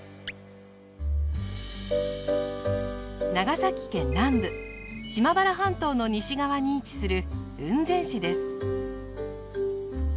長崎県南部島原半島の西側に位置する雲仙市です。